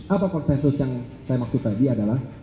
apa konsensus yang saya maksud tadi adalah